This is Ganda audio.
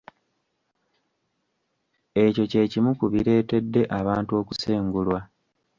Ekyo kye kimu ku bireetedde abantu okusengulwa.